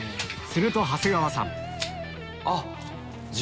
すると長谷川さん